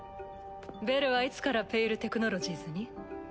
ベルはいつから「ペイル・テクノロジーズ」に？